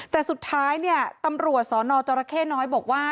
แต่สุดท้ายเนี่ยตำรวจสนจรเข้น้อยบอกว่า